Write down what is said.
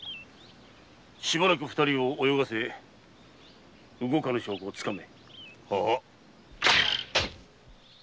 しばらく二人を泳がせ動かぬ証拠をつかめ。